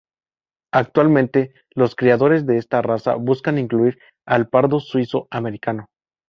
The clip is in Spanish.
Actualmente los criadores de esta raza buscan incluir al pardo suizo-americano.